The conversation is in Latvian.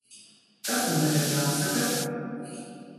Kas man tagad jāsaka?